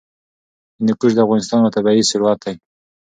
هندوکش د افغانستان یو طبعي ثروت دی.